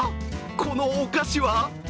このお菓子は？